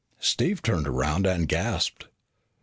Steve turned around and gasped.